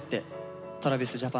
ＦｒｏｍＴｒａｖｉｓＪａｐａｎ